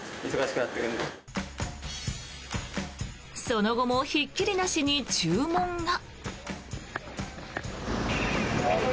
その後もひっきりなしに注文が。